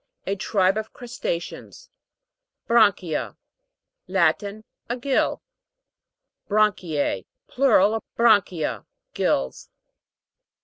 A tribe of crusta'ceans. BRAN'CHIA (brari ke a), Latin. A gill. BRAN'CHI.E. Plural of branchia. Gills.